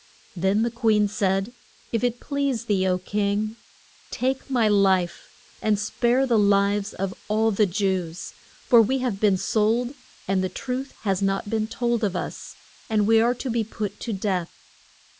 Then the queen said, If it please thee, O king, take my life and spare the lives of all the Jews. For we have been sold and the truth has not been told of us, and we are to be put to death.